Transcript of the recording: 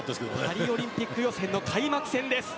パリオリンピック予選の開幕戦です。